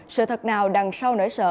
sự thật nào đằng sau nỗi sợ